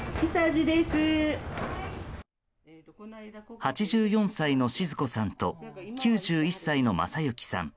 ８４歳の志津子さんと９１歳の正之さん。